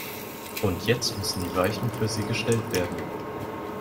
Und jetzt müssen die Weichen für sie gestellt werden.